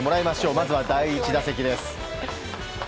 まずは第１打席です。